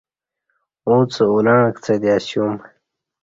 اݩڅ اُلݩع کڅہ تے اسیوم